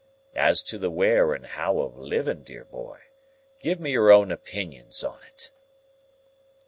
As to the where and how of living, dear boy, give me your own opinions on it."